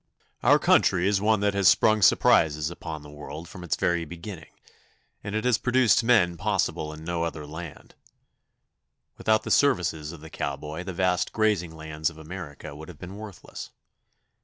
] Our country is one that has sprung surprises upon the world from its very beginning, and it has produced men possible in no other land. Without the services of the cowboy the vast grazing lands of America would have been worthless.